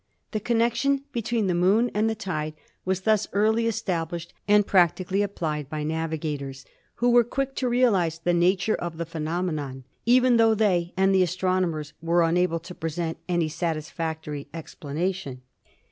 The connection between the Moon and the tide was thus early established and practically applied by navigators, who were quick to realize the nature of the phenomenon, even tho they and the astronomers were unable to present any satisfactory explanation.